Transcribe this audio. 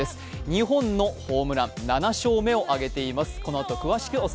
２本のホームラン、７勝目を上げています。